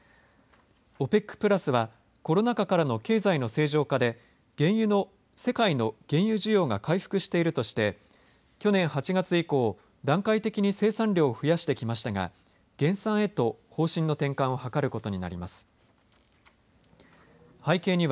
ＯＰＥＣプラスはコロナ禍からの経済の正常化で世界の原油需要が回復しているとして去年８月以降、段階的に生産量を増やしてきましたが減産へと方針の展開を図ることになります。